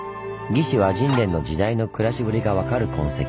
「魏志倭人伝」の時代の暮らしぶりが分かる痕跡。